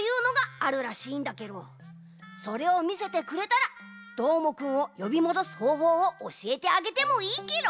それをみせてくれたらどーもくんをよびもどすほうほうをおしえてあげてもいいケロ！